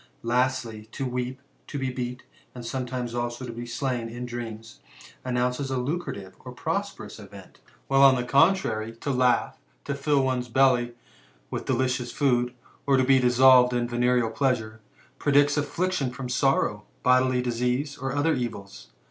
Lastly, to weep^ to be^beat, and sometimes also to be slain, in dneftmiB, announce alucimttve and prosperous event; while, on the contrary, to hiugh, to fill the belly with delicious food, or to be dissolved in venereal pleasure, predict affliction from sorrow, bodily disease, and other ^ils.'